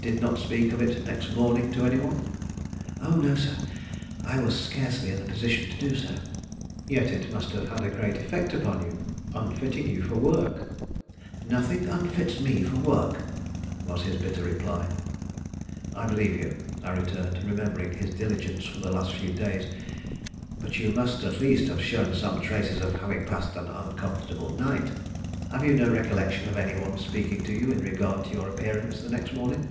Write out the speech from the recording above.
"Did not speak of it next morning to any one?" "O no, sir; I was scarcely in a position to do so." "Yet it must have had a great effect upon you, unfitting you for work " "Nothing unfits me for work," was his bitter reply. "I believe you," I returned, remembering his diligence for the last few days. "But you must at least have shown some traces of having passed an uncomfortable night. Have you no recollection of any one speaking to you in regard to your appearance the next morning?"